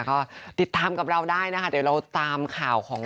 ก็ติดตามกับเราได้นะคะเดี๋ยวเราตามข่าวของ